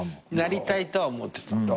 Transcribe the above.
なりたいとは思ってた。